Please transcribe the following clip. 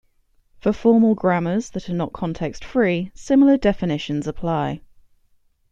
For formal grammars that are not context-free, similar definitions apply.